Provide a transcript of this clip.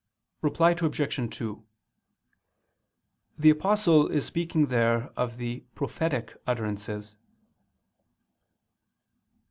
Reply Obj. 2: The Apostle is speaking there of the prophetic utterances.